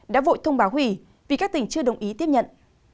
đã vội thông báo hủy vì các tỉnh chưa đồng ý tiếp nhận